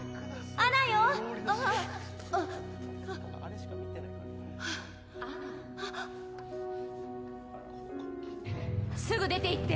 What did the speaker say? アナすぐ出ていって！